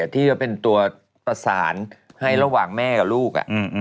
ที่จะเป็นตัวประสานให้ระหว่างแม่กับลูก